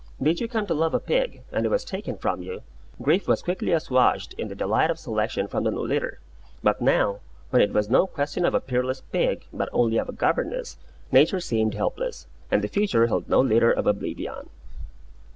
Did you come to love a pig, and he was taken from you, grief was quickly assuaged in the delight of selection from the new litter. But now, when it was no question of a peerless pig, but only of a governess, Nature seemed helpless, and the future held no litter of oblivion.